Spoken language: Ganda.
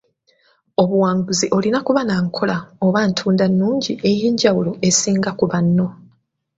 Obuwanguzi olina kuba na nkola oba ntunda nnungi ey'enjawulo esinga ku banno.